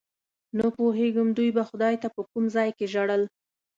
نه پوهېږم دوی به خدای ته په کوم ځای کې ژړل.